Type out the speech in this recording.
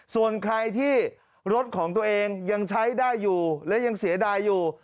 ส่วนใครที่รถของตัวเองยังใช้ได้อยู่และยังเสียดายอยู่